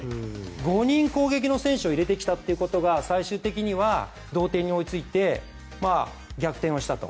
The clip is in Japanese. ５人攻撃の選手を入れてきたということが最終的には同点に追いついて逆転をしたと。